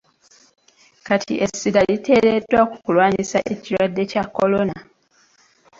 Kati essira liteereddwa ku kulwanyisa ekirwadde kya Kolona.